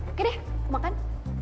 oke deh makan